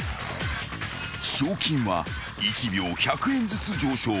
［賞金は１秒１００円ずつ上昇］